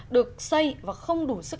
được xây và không đủ sức